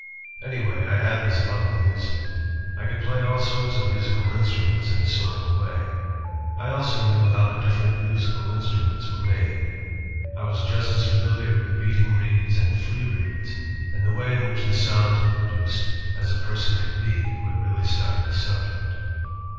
Anyway, I had this love of music. I could play all sorts of musical instruments in a sort of a way. ... I also knew how the different musical instruments were made. I was just as familiar with beating reeds and free reeds, and the way in which the sounds were produced, as a person could be who had really studied the subject.